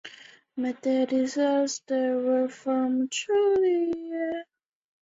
尊贤馆的营运是台大第一次办理委外经营。